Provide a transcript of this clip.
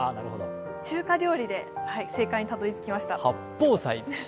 中華料理で正解にたどり着きました。